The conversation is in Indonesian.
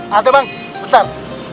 tunggu bang sebentar